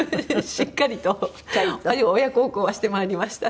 しっかりと親孝行はしてまいりましたっていう。